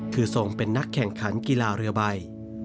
คือทรงเป็นนักแข่งขันกีฬาเรือใบ